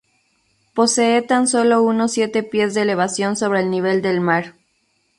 Posee tan solo unos siete pies de elevación sobre el nivel del mar.